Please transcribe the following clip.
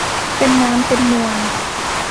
เป็นน้ำเป็นนวล